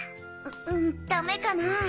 うんダメかなぁ？